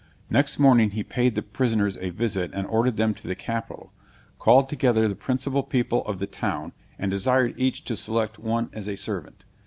Next morning he paid the prisoners a visit and ordered them to the capital, called together the principal people of the town, and desired each to select one as a servant.